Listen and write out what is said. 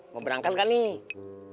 mau berangkat kan nih